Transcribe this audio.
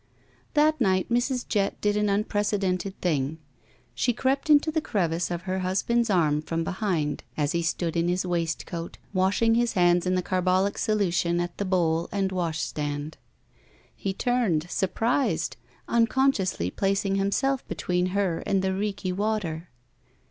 That night Mrs. Jett did an tmprecedented thing. She crept into the crevice of her husband's arm from behind as he stood in his waistcoat, washing his hands in the carbolic solution at the bowl and wash stand. He turned, surprised, tmconsdously pacing himself between her and the reeky water.